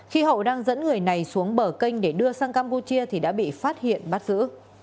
khi hậu đang dẫn người này xuống bờ kênh để đưa sang campuchia thì đã bị phát hiện bắt giữ